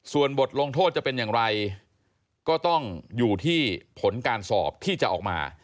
ส่วนบทลงโทษจะเป็นอย่างไรก็ต้องอยู่ที่ผลการสอบที่จะออกมา